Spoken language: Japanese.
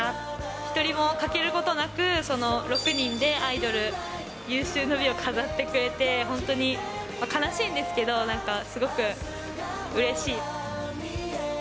一人も欠けることなく６人でアイドル、有終の美を飾ってくれて、本当に悲しいんですけど、なんかすごくうれしい。